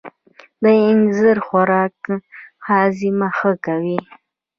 د اینځر خوراک هاضمه ښه کوي.